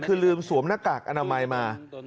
คือลืมสวมหน้ากากอนามัยมา